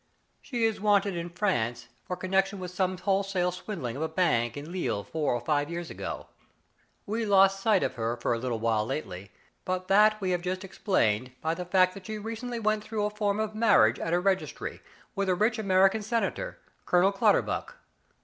She is wanted in France for connec tion with some wholesale swindling of a bank in Lille four or five years ago. We lost sight of her for a little while lately, but that we have just ex plained by the fact that she recently went through a form of marriage at a registry with a rich American Senator, Colonel Clutterbuck.